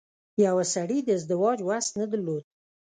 يوه سړي د ازدواج وس نه درلود.